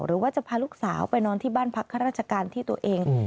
หรือว่าจะพาลูกสาวไปนอนที่บ้านพักข้าราชการที่ตัวเอง